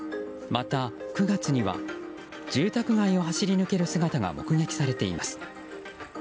また、９月には住宅街を走り抜ける姿が目撃されています。